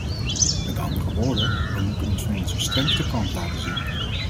Met andere woorden, we moeten ons van onze strengste kant laten zien.